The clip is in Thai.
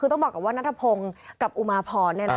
คือต้องบอกกับว่านัทพงศ์กับอุมาพร